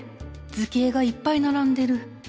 図形がいっぱいならんでる。